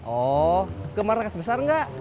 oh ke marlekas besar gak